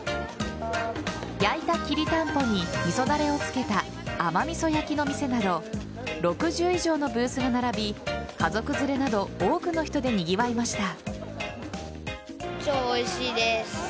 焼いたきりたんぽに味噌だれをつけた甘味噌焼きの店など６０以上のブースが並び家族連れなど多くの人でにぎわいました。